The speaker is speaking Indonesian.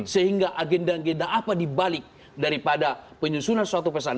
sehingga agenda agenda apa dibalik daripada penyusunan suatu pesan